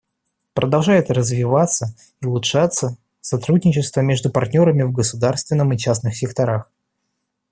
Продолжает развиваться и улучшаться сотрудничество между партнерами в государственном и частном секторах.